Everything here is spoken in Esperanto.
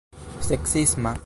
seksisma